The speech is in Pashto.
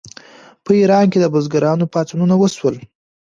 په ایران کې د بزګرانو پاڅونونه وشول.